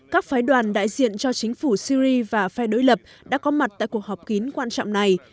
các phái đoàn đại diện cho chính phủ syri và phe đối lập đã có mặt tại cuộc họp kín quan trọng này